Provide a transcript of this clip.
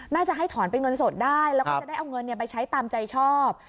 น่าจะให้ถอนเป็นเงินสดได้แล้วก็จะได้เอาเงินไปใช้ตามใจชอบ